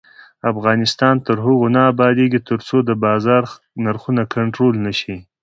افغانستان تر هغو نه ابادیږي، ترڅو د بازار نرخونه کنټرول نشي.